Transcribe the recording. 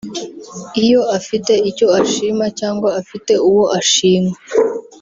iyo afite icyo ashima cyangwa afite uwo ashima